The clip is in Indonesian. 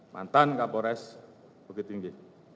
mantan kapolres bukit tinggi